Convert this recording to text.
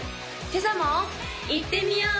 今朝もいってみよう！